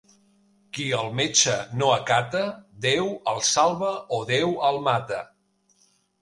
Qui el metge no acata, Déu el salva o Déu el mata.